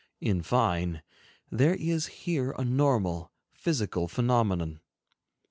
In fine, there is here a normal, physical phenomenon.